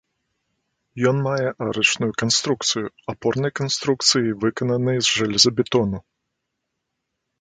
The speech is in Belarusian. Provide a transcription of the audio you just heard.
Ён мае арачную канструкцыю, апорнай канструкцыі выкананы з жалезабетону.